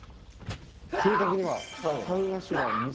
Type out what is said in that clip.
正確には。